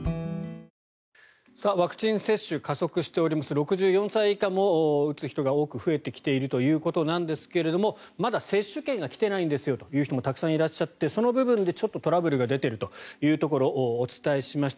６４歳以下も打つ人が多く増えてきているということですがまだ接種券が来ていないんですという人もたくさんいらっしゃってその部分でトラブルが出ているというところをお伝えしました。